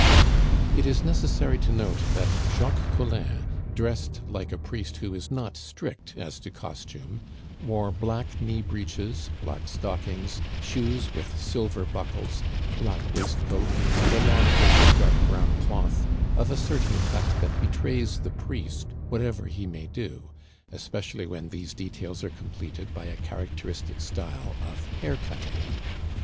It is necessary to note that Jacques Collin, dressed like a priest who is not strict as to costume, wore black knee breeches, black stockings, shoes with silver buckles, a black waistcoat, and a long coat of dark brown cloth of a certain cut that betrays the priest whatever he may do, especially when these details are completed by a characteristic style of haircutting.